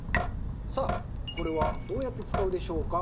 さあこれはどうやって使うでしょうか？